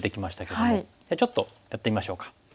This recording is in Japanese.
じゃあちょっとやってみましょうか。